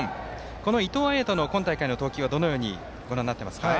この伊藤彩斗の今大会の投球はどのようにご覧になっていますか？